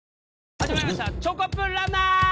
始まりました『チョコプランナー』！